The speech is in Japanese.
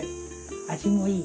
味もいい。